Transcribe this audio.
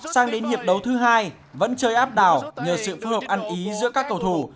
sang đến hiệp đấu thứ hai vẫn chơi áp đảo nhờ sự phù hợp ăn ý giữa các cầu thủ